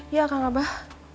iya kang abah